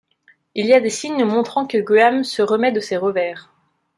Il y a des signes montrant que Guam se remet de ces revers.